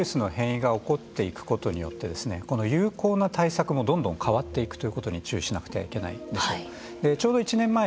ウイルスの変異が起こっていくことによって有効な対策もどんどん変わっていくということに注意しなくてはいけません。